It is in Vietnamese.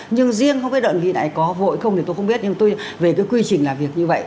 nhưng riêng không biết đơn vị này có vội không thì tôi không biết nhưng tôi về cái quy trình làm việc như vậy